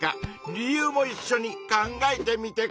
理由もいっしょに考えてみてくれ。